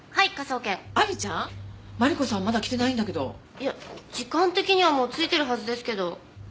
いや時間的にはもう着いてるはずですけど。